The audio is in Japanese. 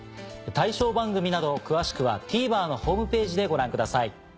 対象番組など詳しくはＴＶｅｒのホームページでご覧ください。